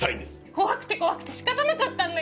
怖くて怖くて仕方なかったんだよ！